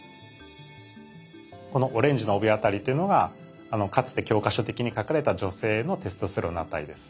このオレンジの帯辺りというのがかつて教科書的に書かれた女性のテストステロンの値です。